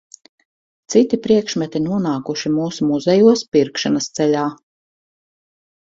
Citi priekšmeti nonākuši mūsu muzejos pirkšanas ceļā.